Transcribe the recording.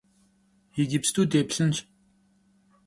Yicıpstu dêplhınş.